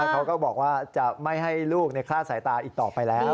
เขาก็บอกว่าจะไม่ให้ลูกคลาดสายตาอีกต่อไปแล้ว